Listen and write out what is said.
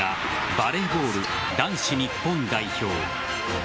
バレーボール男子日本代表。